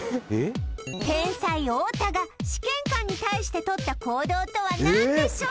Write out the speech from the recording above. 天才太田が試験官に対してとった行動とは何でしょう？